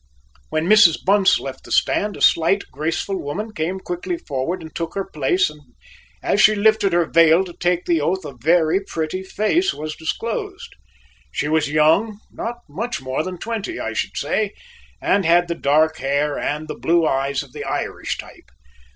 When Mrs. Bunce left the stand, a slight, graceful woman came quickly forward and took her place and as she lifted her veil to take the oath, a very pretty face was disclosed. She was young, not much more than twenty, I should say, and had the dark hair and the blue eyes of the Irish type.